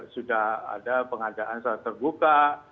sudah ada pengadaan secara terbuka